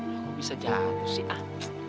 kok bisa jatuh sih ah